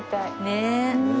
ねえ。